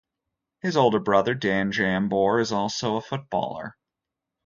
His older brother Dan Jambor is also footballer.